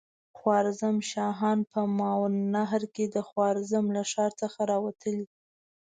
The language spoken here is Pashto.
خوارزم شاهان په ماوراالنهر کې د خوارزم له ښار څخه را وتلي.